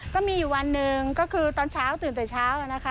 ก็มีอยู่วันหนึ่งก็คือตอนเช้าตื่นแต่เช้านะคะ